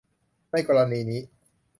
ในกรณีนี้